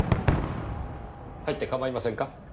入って構いませんか？